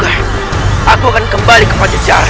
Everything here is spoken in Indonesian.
sampai aku bisa pergi kembali ke padau jahat